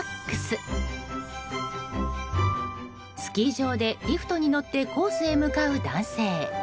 スキー場でリフトに乗ってコースへ向かう男性。